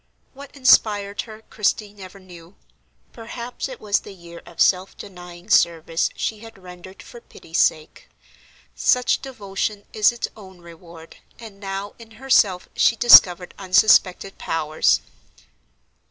What inspired her, Christie never knew; perhaps it was the year of self denying service she had rendered for pity's sake; such devotion is its own reward, and now, in herself, she discovered unsuspected powers.